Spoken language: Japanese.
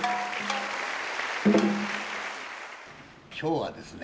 今日はですね